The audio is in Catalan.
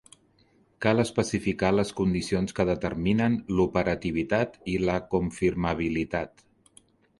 Cal especificar les condicions que determinen l'operativitat i la confirmabilitat.